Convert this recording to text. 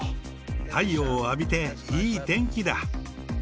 太陽を浴びて、いい天気だ。